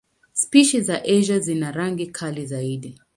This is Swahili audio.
Spishi za Asia zina rangi kali zaidi.